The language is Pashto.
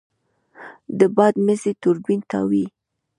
د باد مزی توربین تاووي.